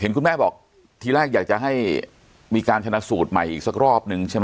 คุณแม่บอกทีแรกอยากจะให้มีการชนะสูตรใหม่อีกสักรอบนึงใช่ไหม